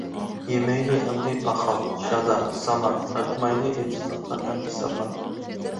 يېمەيلى ئەمدى پاخال، شادا، سامان، تارتمايلى ئېتىزلىقتا ئەمدى ساپان.